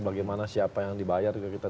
bagaimana siapa yang dibayar juga kita